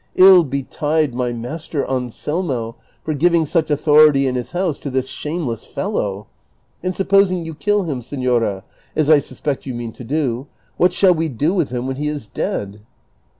Ill betide my master, Anselmo, for giving such authority in his house to this shameless fellow ! And sup posing you kill him, senora, as I suspect you mean to do, what shall we do with him when he is dead